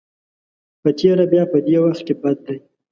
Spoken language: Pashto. په تېره بیا په دې وخت کې بد دی.